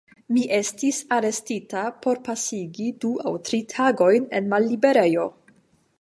Mi estis arestita por pasigi du aŭ tri tagojn en malliberejo.